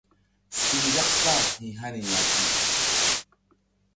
Si nzak kpah hi ni ya pi.